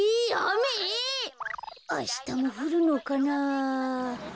あしたもふるのかな。